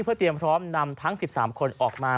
เพื่อเตรียมพร้อมนำทั้ง๑๓คนออกมา